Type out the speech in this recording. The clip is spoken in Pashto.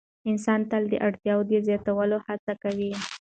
انسان تل د اړتیاوو د زیاتوالي هڅه کوي.